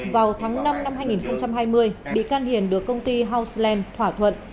vào tháng năm năm hai nghìn hai mươi bị can hiền được công ty houseland thỏa thuận